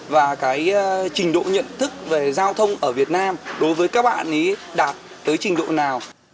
và cái trình độ nhận thức về giao thông ở việt nam đối với các bạn ý đạt tới trình độ nào